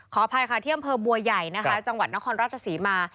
อภัยค่ะที่อำเภอบัวใหญ่นะคะจังหวัดนครราชศรีมา